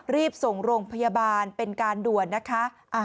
รีบส่งโรงพยาบาลเป็นการด่วนนะคะ